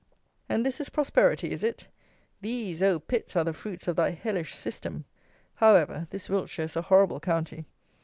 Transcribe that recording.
And this is "prosperity," is it? These, Oh, Pitt! are the fruits of thy hellish system! However, this Wiltshire is a horrible county.